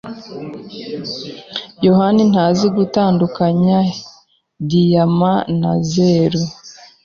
yohani ntazi gutandukanya diyama na zeru.